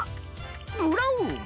ブラウン⁉